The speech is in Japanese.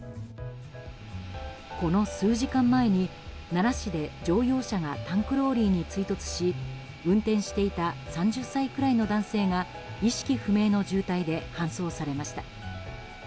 この数時間前に奈良市で乗用車がタンクローリーに追突し運転していた３０歳くらいの男性が意識不明の重体で搬送されました。